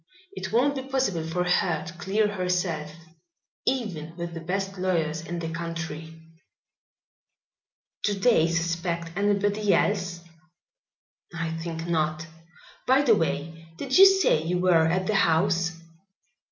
It won't be possible for her to clear herself, even with the best lawyers in the country." "Do they suspect anybody else?" "I think not. By the way, did you say you were at the house?"